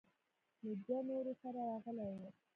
له دوو نورو سره راغلى و.